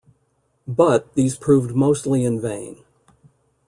But, these proved mostly in vain.